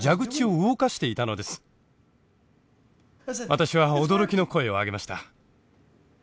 私は驚きの声を上げました。